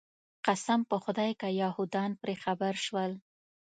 قسم په خدای که یهودان پرې خبر شول.